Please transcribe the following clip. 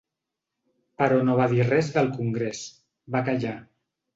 Però no va dir res del congrés, va callar.